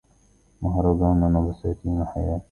مهرجاناً... وبساتين حياة!